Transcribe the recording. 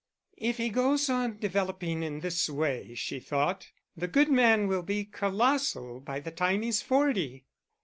"If he goes on developing in this way," she thought, "the good man will be colossal by the time he's forty."